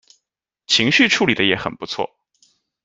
情绪处理的也很不错